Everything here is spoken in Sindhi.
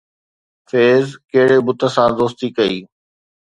فيض ڪهڙي بت سان دوستي ڪئي؟